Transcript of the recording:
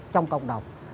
trong cộng đồng